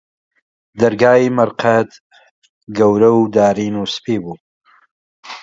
دەرگای مەرقەد، گەورە و دارین و سپی بوو